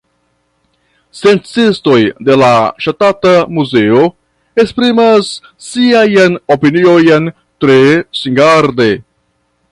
Sciencistoj de la Ŝtata Muzeo esprimas siajn opiniojn tre singarde.